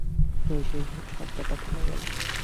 শই শই শব্দটা থেমে গেল।